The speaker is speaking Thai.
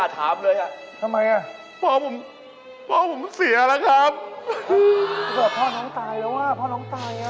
ตายแล้วครับโดน